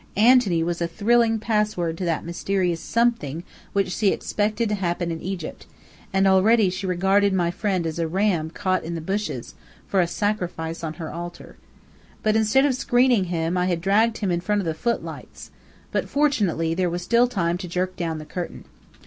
"Antony" was a thrilling password to that mysterious "something" which she expected to happen in Egypt: and already she regarded my friend as a ram caught in the bushes, for a sacrifice on her altar. Instead of screening him I had dragged him in front of the footlights. But fortunately there was still time to jerk down the curtain.